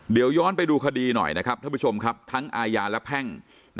เดี๋ยวย้อนไปดูคดีหน่อยนะครับท่านผู้ชมครับทั้งอาญาและแพ่ง